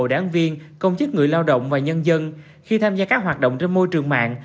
đáng viên công chức người lao động và nhân dân khi tham gia các hoạt động trên môi trường mạng